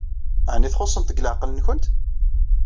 Ɛni txuṣṣemt deg leɛqel-nwent?